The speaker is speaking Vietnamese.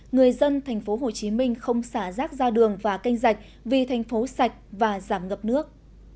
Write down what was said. người dân tp hcm không xả rác ra đường và canh rạch vì thành phố sạch và giảm ngập nước